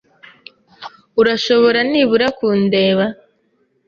Urashobora nibura kundeba?